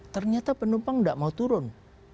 ternyata penumpang tidak mau turun